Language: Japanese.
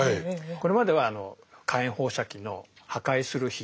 これまではあの火炎放射器の破壊する火。